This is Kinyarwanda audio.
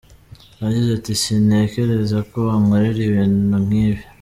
Yagize Ati “Sintekereza Ko wankorera ibintu nkibi.